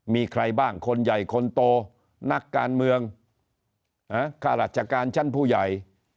มีใครบ้างคนใหญ่คนโตนักการเมืองข้าราชการชั้นผู้ใหญ่